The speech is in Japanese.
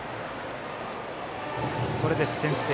これで先制。